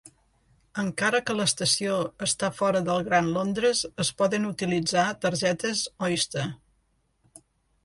Encara que l'estació està fora del Gran Londres, es poden utilitzar targetes Oyster.